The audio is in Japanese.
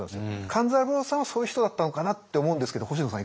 勘三郎さんはそういう人だったのかなと思うんですけど星野さん